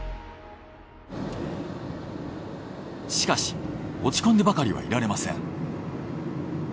しかし落ち込んでばかりはいられません。